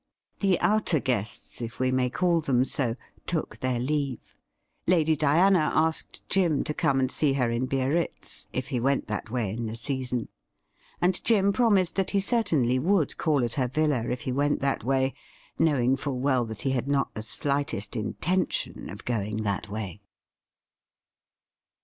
The outer guests, if we may call them so, took their leave. Lady Diana asked Jim to come and see her in Biarritz, if he went that way in the season, and Jim promised that he cei tainly would call at her villa if he went that way, knowing full well that he had not the slightest intention of going that way.